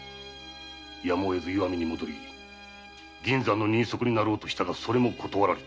やむを得ず石見に戻り銀山の人足になろうとしたがそれも断られた。